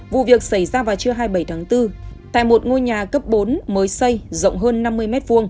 vụ việc xảy ra vào trưa hai mươi bảy tháng bốn tại một ngôi nhà cấp bốn mới xây rộng hơn năm mươi m hai